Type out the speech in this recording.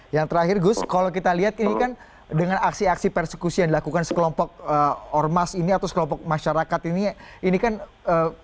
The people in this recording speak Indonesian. yang terakhir gus kalau kita lihat ini kan dengan aksi aksi persekusi yang dilakukan sekelompok ormas ini atau sekelompok masyarakat ini kan